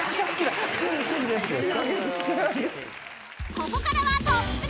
［ここからはトップ３！］